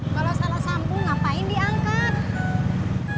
kalo salah sambung ngapain diangkat